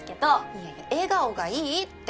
いやいや笑顔がいいって。